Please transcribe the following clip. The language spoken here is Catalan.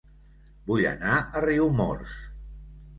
Vull anar a Riumors